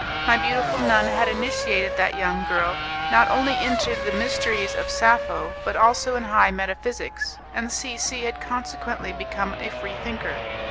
My beautiful nun had initiated that young girl, not only into the mysteries of Sappho, but also in high metaphysics, and C C had consequently become a Freethinker.